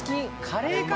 カレーか。